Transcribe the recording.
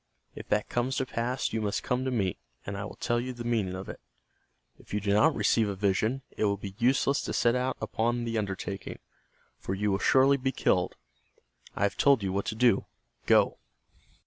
If that comes to pass you must come to me, and I will tell you the meaning of it. If you do not receive a vision it will be useless to set out upon the undertaking, for you will surely be killed. I have told you what to do. Go."